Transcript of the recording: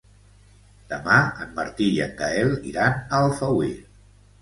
Demà en Martí i en Gaël iran a Alfauir.